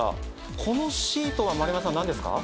このシートは丸山さんなんですか？